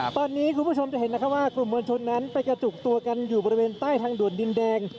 ตอนนี้คุณผู้ชมจะเห็นนะคะว่ากลุ่มมวลชนนั้นไปกระจุกตัวกันอยู่บริเวณใต้ทางด่วนดินแดง